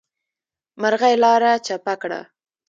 مرغۍ لاره چپه کړه.